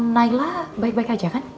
naila baik baik aja kan